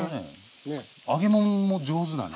揚げもんも上手だね。